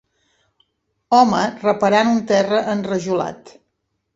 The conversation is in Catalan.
Home reparant un terra enrajolat.